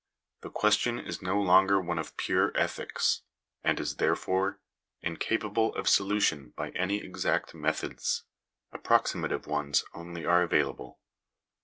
The question is no longer one of pure ethics, and • is therefore incapable of solution by any exact methods : ap 1 proximative ones only are available.